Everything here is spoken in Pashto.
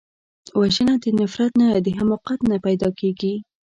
وژنه د نفرت نه، د حماقت نه پیدا کېږي